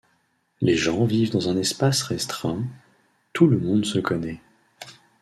Les gens vivent dans un espace restreint, tout le monde se connaît.